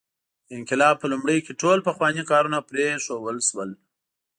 د انقلاب په لومړیو کې ټول پخواني کارونه پرېښودل شول.